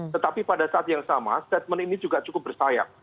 tetapi pada saat yang sama statement ini juga cukup bersayap